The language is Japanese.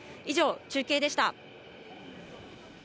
以上、中継でした。